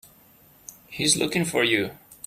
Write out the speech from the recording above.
He's looking for you.